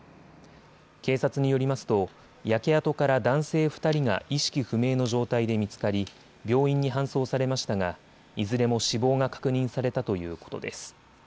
警察によりますと焼け跡から男性２人が意識不明の状態で見つかり病院に搬送されましたがいずれも死亡が確認されたということです。